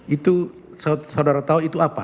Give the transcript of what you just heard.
itu saudara tahu itu apa